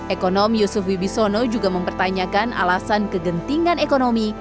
ekonom yusuf wibisono juga mempertanyakan alasan kegentingan ekonomi